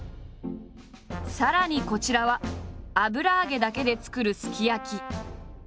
さらにこちらは油揚げだけで作るすき焼き。